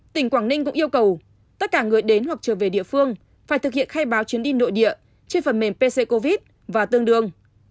tỉnh quảng ninh cũng yêu cầu tất cả người đến hoặc trở về địa phương phải thực hiện khai báo chuyến đi nội địa trên phần mềm pc covid và tương đương